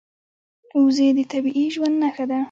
وزې د طبیعي ژوند نښه ده